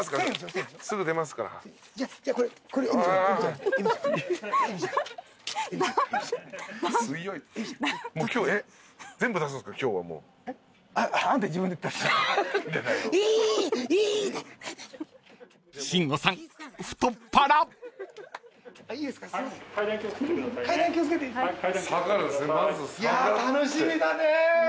いや楽しみだね。